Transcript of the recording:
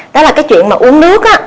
đó là cái chuyện mà uống nước á